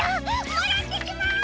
もらってきます！